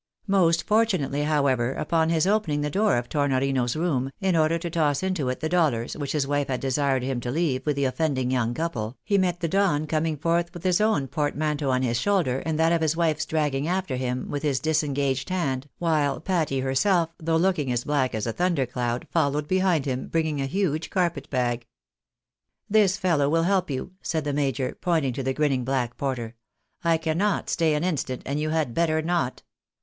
Most for tunately, however, upon his opening the door of Tornorino's room, in order to toss into it the dollars which his wife had desired him to leave with the offending young couple, he met the Don coming forth with his own portmanteau on his shoulder, and that of his ■wife dragging after him with his disengaged hand, while Patty herself, though looking as black as a thunder cloud, followed behind him, bringing a huge carpet bag. " This fellow will help you," said the major, pointing to the grinning black porter. "I cannot stay an instant, and you had better not.